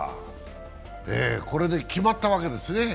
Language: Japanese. これで決まったわけですね